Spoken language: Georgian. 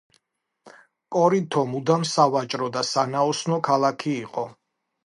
კორინთო მუდამ სავაჭრო და სანაოსნო ქალაქი იყო.